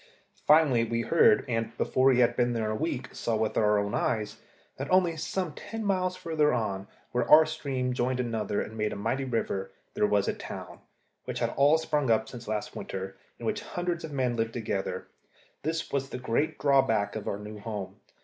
Finally we heard, and, before we had been there a week, saw with our own eyes, that only some ten miles further on, where our stream joined another and made a mighty river, there was a town, which had all sprung up since last winter, in which hundreds of men lived together. This was the great drawback of our new home.